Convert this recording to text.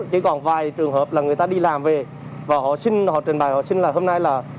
chỉ còn vài trường hợp là người ta đi làm về và họ trình bày họ xin là hôm nay là